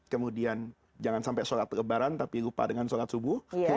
kemudian jangan sampai sholat lebaran tapi lupa dengan sholat subuh